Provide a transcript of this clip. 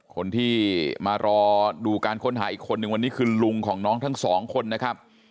คนที่มารอดูการค้นหาอีกคนนึงวันนี้คือลุงของน้องทั้งสองคนนะครับ